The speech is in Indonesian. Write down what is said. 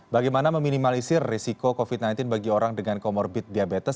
bagaimana meminimalisir risiko covid sembilan belas bagi orang dengan comorbid diabetes